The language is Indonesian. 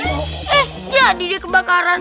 eh jadi dia kebakaran